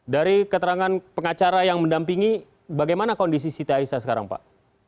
dari keterangan pengacara yang mendampingi bagaimana kondisi siti aisyah sekarang pak